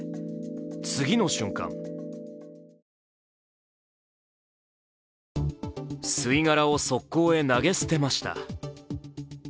次の瞬間吸い殻を側溝へ投げ捨てました。